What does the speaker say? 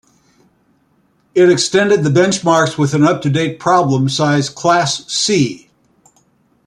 It extended the benchmarks with an up-to-date problem size "Class C".